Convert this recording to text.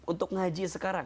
untuk ngaji sekarang